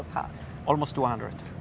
berapa banyak orang yang memiliki